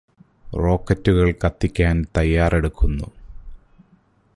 റോക്കറ്റുകള് കത്തിക്കാന് തയ്യാറെടുക്കുന്നു